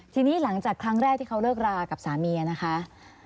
ทีนี้หลังจากครั้งแรกที่เขาเลิกรากับสามีนะคะ